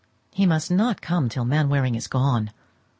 He must not come till Mainwaring is gone.